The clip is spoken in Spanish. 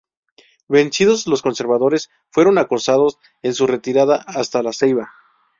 Vencidos los conservadores fueron acosados en su retirada hasta La Ceiba.